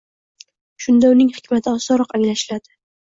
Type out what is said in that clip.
Shunda uning hikmati osonroq anglashiladi